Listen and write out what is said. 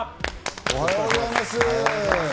おはようございます。